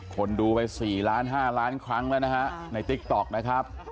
คนดูไปสี่ล้านห้าร้านครั้งแล้วนะฮะในนะครับ